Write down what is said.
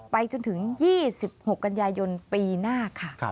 ไปจนถึง๒๖กันยายนปีหน้าค่ะ